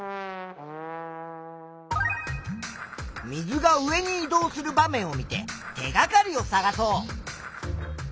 水が上に移動する場面を見て手がかりを探そう。